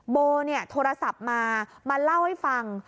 โบโทรศัพท์มามาเล่าให้ฟัง